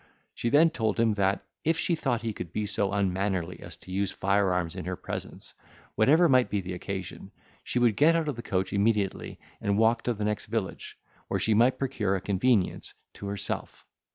She then told him that, if she thought he could be so unmannerly as to use fire arms in her presence, whatever might be the occasion, she would get out of the coach immediately, and walk to the next village, where she might procure a convenience to herself.